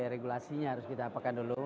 regulasinya harus kita apakan dulu